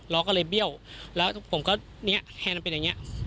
้อก็เลยเบี้ยวแล้วผมก็เนี่ยแฮนมันเป็นอย่างนี้